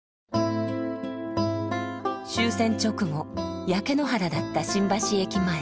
終戦直後焼け野原だった新橋駅前。